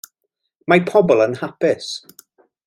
Mae pobl yn hapus.